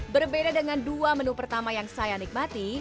berbeda dengan dua menu pertama yang saya nikmati